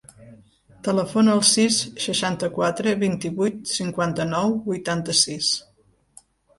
Telefona al sis, seixanta-quatre, vint-i-vuit, cinquanta-nou, vuitanta-sis.